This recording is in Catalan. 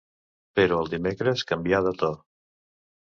Però el dimecres canvià de to